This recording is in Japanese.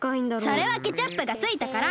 それはケチャップがついたから！